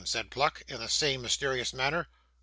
said Pluck, in the same mysterious manner.